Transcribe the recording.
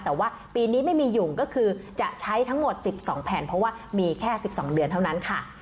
แต่ว่าปีนี้ไม่มีอยู่ก็คือจะใช้ทั้งหมด๑๒แผ่นเพราะว่ามีแค่๑๒เดือนเท่านั้นค่ะ